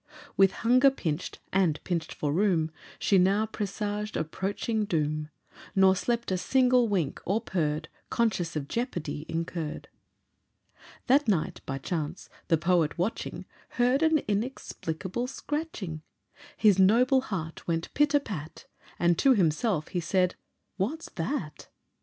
With hunger pinch'd, and pinch'd for room, She now presaged approaching doom, Nor slept a single wink, or purr'd, Conscious of jeopardy incurr'd. That night, by chance, the poet watching, Heard an inexplicable scratching; His noble heart went pit a pat, And to himself he said "What's that?"